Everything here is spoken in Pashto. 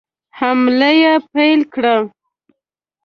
حملې پیل کړې.